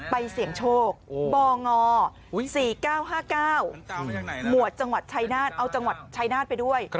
ไปเสี่ยงโชคบง๔๙๕๙หมวดจังหวัดชายนาฏเอาจังหวัดชายนาฏไปด้วย